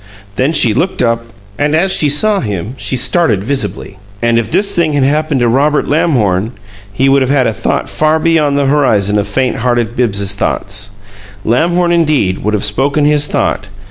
Then she looked up, and as she saw him she started visibly. And if this thing had happened to Robert Lamhorn, he would have had a thought far beyond the horizon of faint hearted Bibbs's thoughts. Lamhorn, indeed, would have spoken his thought.